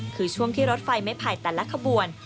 คือช่วงที่รถไฟไม่ไผ่แต่ละขบวน